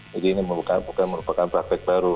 jadi ini bukan merupakan praktek baru